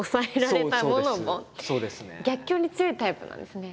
逆境に強いタイプなんですね。